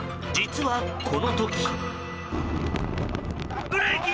実は、この時。